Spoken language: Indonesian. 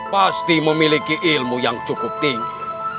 pasti memiliki ilmu yang cukup tinggi